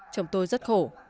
chồng tôi rất khổ